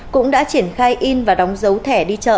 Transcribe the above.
cũng đã triển khai in và đóng dấu thẻ đi chợ